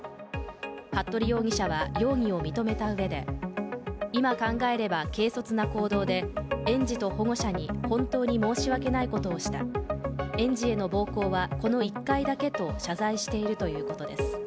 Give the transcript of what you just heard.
服部容疑者は容疑を認めたうえで今考えれば軽率な行動で園児と保護者に本当に申し訳ないことをした園児への暴行はこの１回だけと謝罪しているということです。